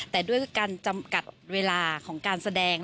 แต่ด้วยการจำกัดเวลาของการแสดง